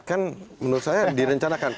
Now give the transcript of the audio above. kan menurut saya direncanakan